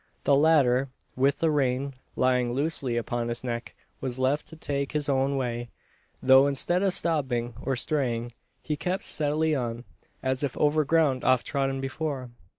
The latter, with the rein lying loosely upon his neck, was left to take his own way; though instead of stopping, or straying, he kept steadily on, as if over ground oft trodden before.